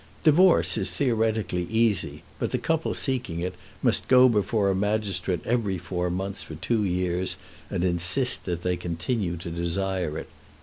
Divorce is theoretically easy, but the couple seeking it must go before a magistrate every four months for two years and insist that they continue to desire it.